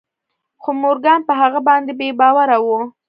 خو مورګان په هغه باندې بې باوره و